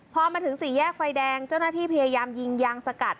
พอมาถึงสี่แยกไฟแดงเจ้าหน้าที่พยายามยิงยางสกัด